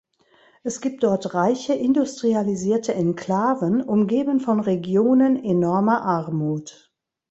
Es gibt dort reiche industrialisierte Enklaven, umgeben von Regionen enormer Armut.